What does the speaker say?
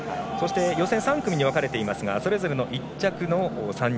予選３組に分かれていますがそれぞれの１着の３人